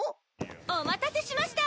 お待たせしました！